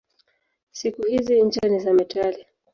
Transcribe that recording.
Siku hizi ncha ni za metali.